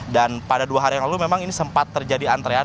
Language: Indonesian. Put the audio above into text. dan pada dua hari yang lalu memang ini sempat terjadi antrean